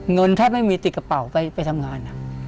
เงินแทบไม่มีติดกระเป๋าไปทำงาน